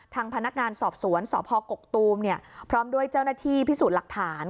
ทางพนักงานสอบสวนสพกกตูมพร้อมด้วยเจ้าหน้าที่พิสูจน์หลักฐาน